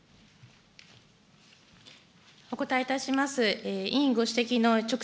お答えいたします。